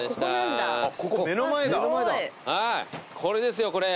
これですよこれ。